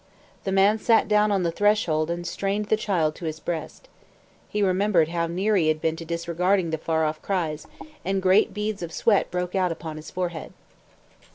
The man sat down on the threshold and strained the child to his breast. He remembered how near he had been to disregarding the far off cries, and great beads of sweat broke out upon his forehead.